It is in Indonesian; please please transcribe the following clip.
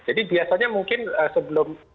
jadi biasanya mungkin sebelum b tujuh belas ini muncul